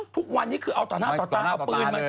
ทุกวันนี้คือเอาต่อหน้าต่อตาเอาปืนมา